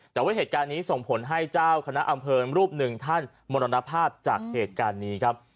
แต่ว่าเหตุการณ์นี้ส่งผลให้เจ้าคณะอำเภอรูปหนึ่งท่านมรณภาพจากเหตุการณ์นี้ครับ